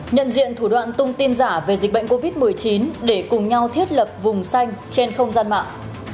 nhận diện thủ đoạn tung tin giả về dịch bệnh covid một mươi chín để cùng nhau thiết lập vùng xanh trên không gian mạng